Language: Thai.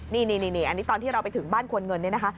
นี่อันนี้ตอนที่เราไปถึงบ้านควรเงินเนี่ยนะคะ